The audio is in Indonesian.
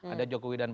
ada jokowi dan pdp